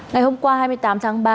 ngày hôm qua hai mươi tám tháng ba